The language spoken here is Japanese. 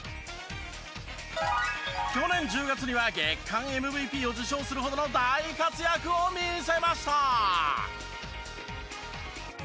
去年１０月には月間ＭＶＰを受賞するほどの大活躍を見せました！